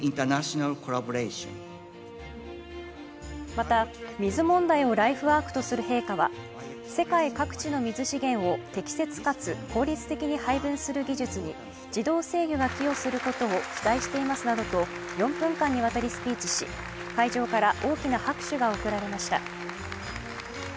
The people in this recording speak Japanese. また水問題をライフワークとする陛下は世界各地の水資源を適切かつ効率的に配分する技術に自動制御が寄与することを期待していますなどと４分間にわたりスピーチし会場から大きな拍手が送られました。